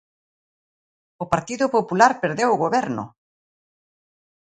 ¡O Partido Popular perdeu o goberno!